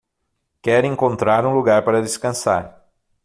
Quer encontrar um lugar para descansar